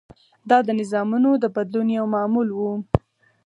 دا د نظامونو د بدلون یو معمول و.